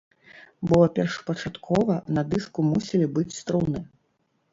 Бо першапачаткова на дыску мусілі быць струны!